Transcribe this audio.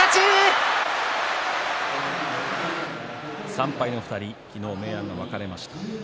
３敗の２人昨日、明暗が分かれました。